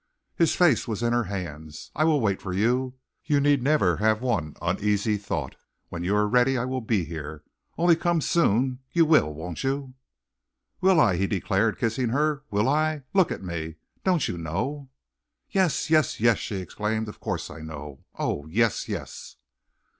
His face was in her hands. "I will wait for you. You need never have one uneasy thought. When you are ready I will be here, only, come soon you will, won't you?" "Will I!" he declared, kissing her, "will I? Look at me. Don't you know?" "Yes! Yes! Yes!" she exclaimed, "of course I know. Oh, yes! yes!"